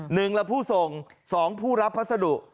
หนึ่งละผู้ส่งสองผู้รับพัสดุ